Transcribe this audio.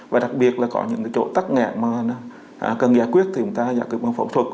và đặc biệt là có những cái chỗ tắc nghẹn mà cần giải quyết thì chúng ta giải quyết bằng phẫu thuật